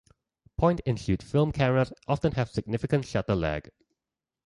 Point and shoot film cameras often have significant shutter lag.